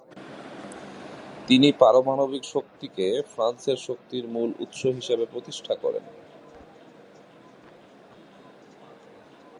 তিনি পারমাণবিক শক্তিকে ফ্রান্সের শক্তির মূল উৎস হিসেবে প্রতিষ্ঠা করেন।